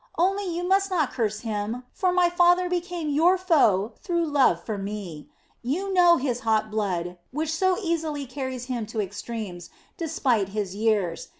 Only you must not curse him; for my father became your foe through love for me. You know his hot blood, which so easily carries him to extremes, despite his years.